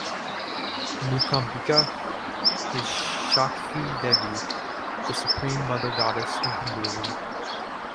Mookambika is Shakthi devi, the supreme mother goddess in Hinduism.